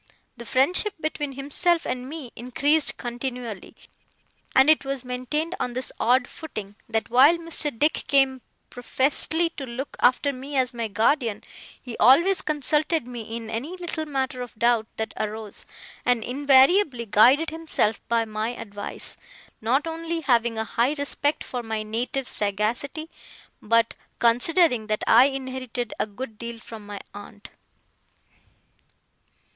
The friendship between himself and me increased continually, and it was maintained on this odd footing: that, while Mr. Dick came professedly to look after me as my guardian, he always consulted me in any little matter of doubt that arose, and invariably guided himself by my advice; not only having a high respect for my native sagacity, but considering that I inherited a good deal from my aunt.